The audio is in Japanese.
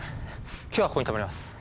今日はここに泊まります。